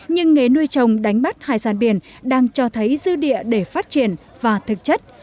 nhưng nghề nuôi trồng đánh bắt hải sản biển đang cho thấy dư địa để phát triển và thực chất